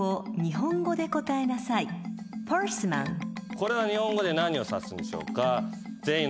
これは日本語で何を指すんでしょうか？